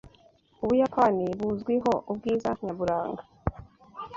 Ubuyapani buzwiho ubwiza nyaburanga.